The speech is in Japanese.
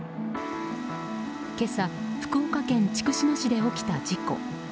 今朝、福岡県筑紫野市で起きた事故。